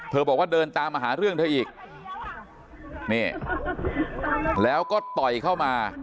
บอกว่าเดินตามมาหาเรื่องเธออีกนี่แล้วก็ต่อยเข้ามา